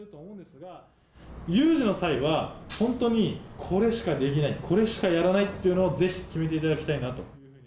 有事の際は本当にこれしかできない、これしかやらないっていうのをぜひ、決めていただきたいな。